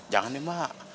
jangan deh mak